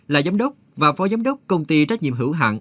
là giám đốc và phó giám đốc công ty trách nhiệm hữu hạng